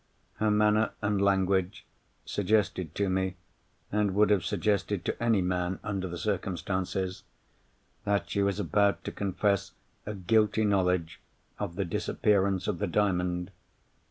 Her manner and language suggested to me and would have suggested to any man, under the circumstances—that she was about to confess a guilty knowledge of the disappearance of the Diamond.